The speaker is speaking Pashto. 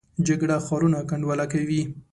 جګړه ښارونه کنډواله کوي